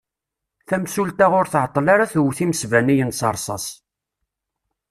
Tamsulta ur tɛeṭṭel ara twet imesbaniyen s rrṣas.